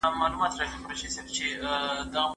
ایمي د رواني روغتیا لپاره مرسته ترلاسه کړه.